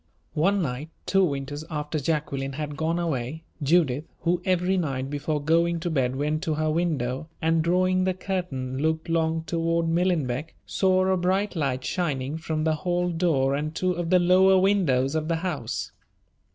One night, two winters after Jacqueline had gone away, Judith, who every night before going to bed went to her window, and, drawing the curtain, looked long toward Millenbeck, saw a bright light shining from the hall door and two of the lower windows of the house.